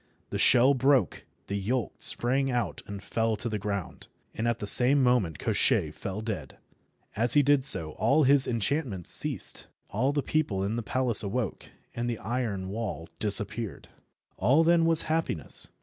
The shell broke, the yolk sprang out and fell to the ground, and at the same moment Koshchei fell dead. As he did so all his enchantments ceased. All the people in the palace awoke, and the iron wall disappeared. All then was happiness.